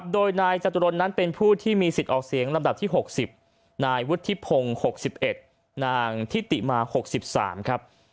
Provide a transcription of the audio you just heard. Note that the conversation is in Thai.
โดยนายจตุรนนั้นเป็นผู้ที่มีสิทธิ์ออกเสียงลำดับที่๖๐นายวุฒิพงศ์๖๑นางทิติมา๖๓ครับ